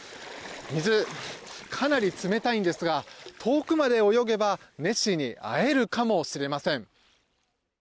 水、かなり冷たいんですが遠くまで泳げばネッシーに会えるかもしれません。